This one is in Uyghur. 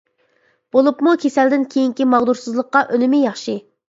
بولۇپمۇ كېسەلدىن كېيىنكى ماغدۇرسىزلىققا ئۈنۈمى ياخشى.